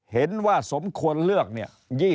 เห็นว่าสมควรเลือกเนี่ย